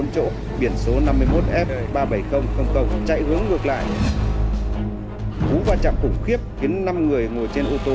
chỗ biển số năm mươi một f ba trăm bảy mươi không cầu chạy hướng ngược lại hú và chạm khủng khiếp khiến năm người ngồi trên ô tô